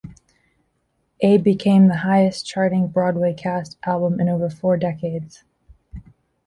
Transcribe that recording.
A became the highest-charting Broadway cast album in over four decades.